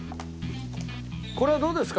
これはどうですか？